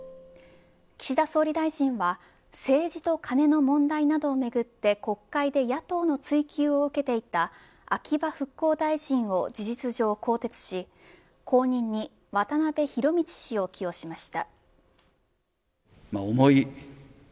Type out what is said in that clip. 岸田総理大臣は政治とカネの問題などをめぐって国会で野党の追及を受けていた秋葉復興大臣を事実上更迭し後任に渡辺博道氏を起用しました。